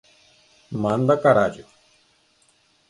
Manda carallo